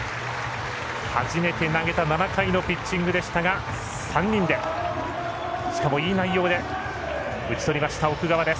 初めて投げた７回のピッチングでしたが３人で、しかもいい内容で打ち取りました奥川です。